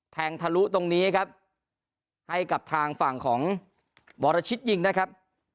ทะลุตรงนี้ครับให้กับทางฝั่งของวรชิตยิงนะครับ